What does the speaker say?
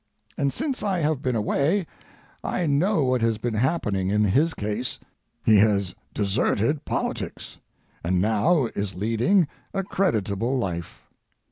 And since I have been away I know what has been happening in his case: he has deserted politics, and now is leading a creditable life.